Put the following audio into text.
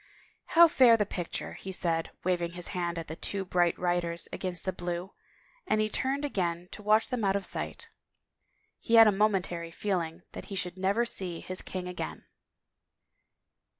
" How fair the picture," he said, waving his hand at the two bright riders against the blue, and he turned again to watch them out of sight. He had a momentary feeling that he should never see his king again.